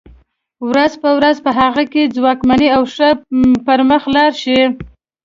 ورځ په ورځ په هغه کې ځواکمن او ښه پرمخ لاړ شي.